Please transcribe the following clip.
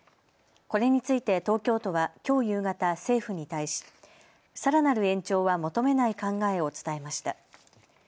これについて東京都はきょう夕方、政府に対しさらなる延長は求めない考えを伝えました。